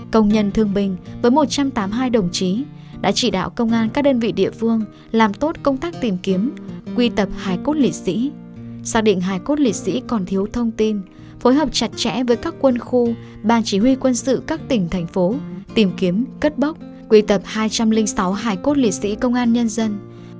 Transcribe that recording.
công nhân thương minh với một trăm tám mươi hai đồng chí đã chỉ đạo công an các đơn vị địa phương làm tốt công tác tìm kiếm quy tập hải cốt lễ sĩ xác định hải cốt lễ sĩ còn thiếu thông tin phối hợp chặt chẽ với các quân khu bang chỉ huy quân sự các tỉnh thành phố tìm kiếm cất bóc quy tập hai trăm linh sáu hải cốt lễ sĩ công an nhân dân